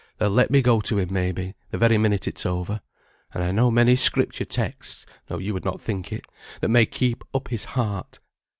They'll let me go to him, maybe, the very minute it's over; and I know many Scripture texts (though you would not think it), that may keep up his heart.